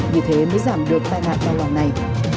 vì thế mới giảm được tai nạn đau lòng này